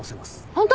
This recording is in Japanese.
ホント？